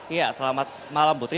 iya selamat malam putri